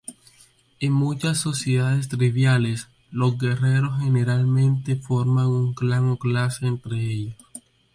En muchas sociedades tribales, los guerreros generalmente forman un clan o clase entre ellos.